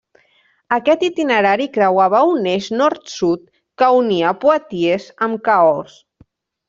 Aquest itinerari creuava un eix nord-sud que unia Poitiers amb Cahors.